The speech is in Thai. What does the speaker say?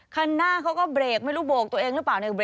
คันหน้าเขาก็เบรกไม่รู้โบกตัวเองหรือเปล่าเนี่ย